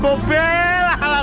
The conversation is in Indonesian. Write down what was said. kau belah la lu